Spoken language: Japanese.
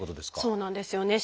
そうなんですよね。